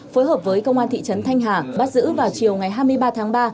phối hợp với công an thị trấn thanh hà bắt giữ vào chiều ngày hai mươi ba tháng ba